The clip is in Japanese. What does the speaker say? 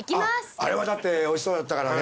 あれはだっておいしそうだったからね。